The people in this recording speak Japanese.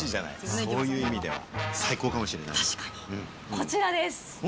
こちらです。